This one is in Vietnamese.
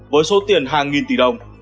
với số tiền hàng nghìn tỷ đồng